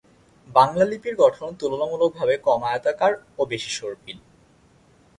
বাংলা লিপির গঠন তুলনামূলকভাবে কম আয়তাকার ও বেশি সর্পিল।